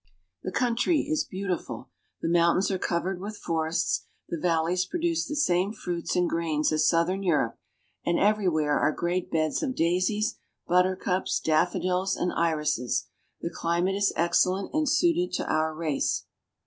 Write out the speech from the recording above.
The country is beautiful. The mountains are covered with forests; the valleys produce the same fruits and grains as southern Europe, and everywhere are great beds of daisies, buttercups, daffodils, and irises. The climate is excellent and suited to our race.